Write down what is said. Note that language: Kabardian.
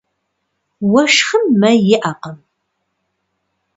Уэшхым мэ иӏэкъым.